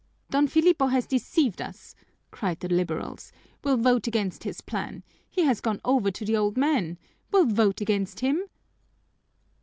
"Don Filipo has deceived us," cried the liberals. "We'll vote against his plan. He has gone over to the old men. We'll vote against him!"